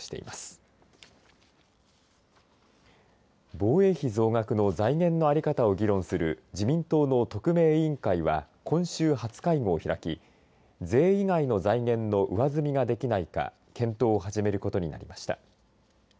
防衛費増額の財源の在り方を議論する自民党の特命委員会は今週、初会合を開き税以外の財源の上積みができないか検討を始めることになりました。